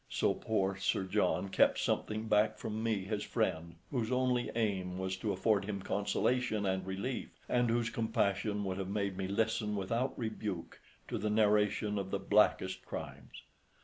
So poor Sir John kept something back from me his friend, whose only aim was to afford him consolation and relief, and whose compassion would have made me listen without rebuke to the narration of the blackest crimes.